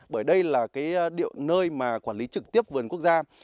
bởi đây là cái nơi mà quản lý trực tiếp vườn quốc gia